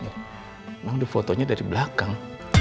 emang fotonya dari belakang